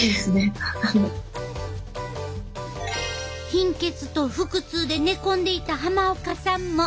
貧血と腹痛で寝込んでいた濱岡さんも。